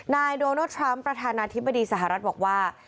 นายโดนัลดทรัมป์ประธานาธิบดีสหรัฐบอกว่า